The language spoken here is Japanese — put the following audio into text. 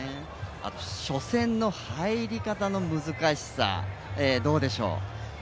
初戦の入り方の難しさ、どうでしょう？